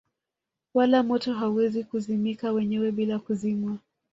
Wala moto hauwezi kuzimika wenyewe bila kuzimwa